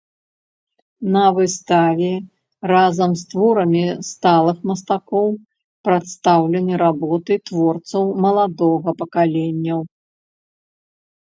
На выставе разам з творамі сталых мастакоў прадстаўлены работы творцаў маладога пакаленняў.